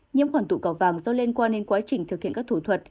nhiễm khuẩn tụ cầu vang do liên quan đến quá trình thực hiện các thủ thuật